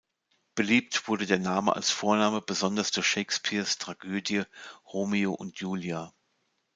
Beliebt wurde der Name als Vorname besonders durch Shakespeares Tragödie "Romeo und Julia".